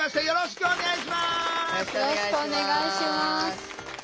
よろしくお願いします。